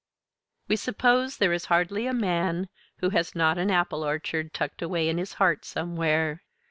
We suppose there is hardly a man who has not an apple orchard tucked away in his heart somewhere.